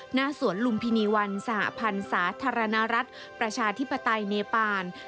หน้าสวนลุมพินีวันสหพันธ์สาธารณรัฐประชาธิปไตยเนปาน